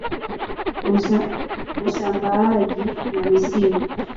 Usambaaji na misimu